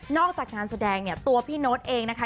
จากงานแสดงเนี่ยตัวพี่โน๊ตเองนะคะ